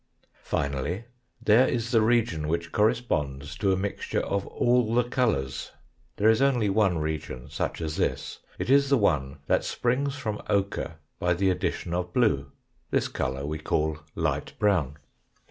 Finally, there i;> the region which corresponds to a mixture of all the colours ; there is only one region such as this. It is the one that springs from ochre by the addition of blue this colour we call light brown.